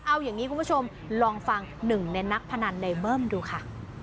เอาอย่างนี้คุณผู้ชมลองฟังหนึ่งในนักพนันในเบิ้มดูค่ะ